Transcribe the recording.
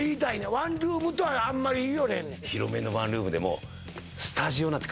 ワンルームとはあんまり言いよれへんねんのあるよね